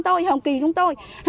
tôi hồng kỳ chúng tôi